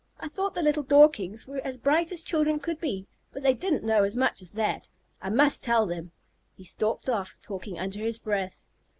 "I thought the little Dorkings were as bright as children could be, but they didn't know as much as that. I must tell them." He stalked off, talking under his breath.